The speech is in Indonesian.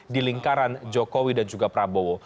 di lingkaran jokowi dan juga prabowo